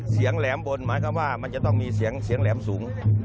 แหลมบนหมายความว่ามันจะต้องมีเสียงแหลมสูง